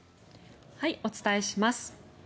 お伝えします。